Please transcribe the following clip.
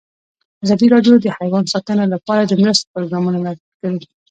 ازادي راډیو د حیوان ساتنه لپاره د مرستو پروګرامونه معرفي کړي.